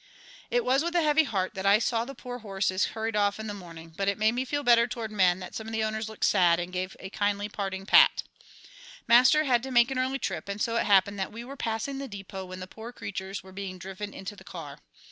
It was with a heavy heart that I saw the poor horses hurried off in the morning, but it made me feel better toward men that some of the owners looked sad and gave a kindly parting pat. Master had to make an early trip, and it so happened that we were passing the depot when the poor creatures were being driven into the car.